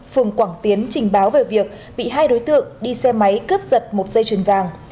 phường quảng tiến trình báo về việc bị hai đối tượng đi xe máy cướp giật một dây chuyền vàng